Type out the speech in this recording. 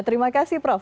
terima kasih prof